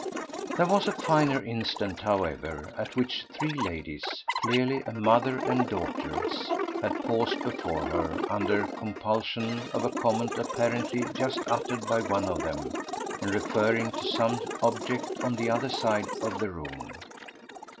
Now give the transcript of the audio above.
There was a finer instant, however, at which three ladies, clearly a mother and daughters, had paused before her under compulsion of a comment apparently just uttered by one of them and referring to some object on the other side of the room.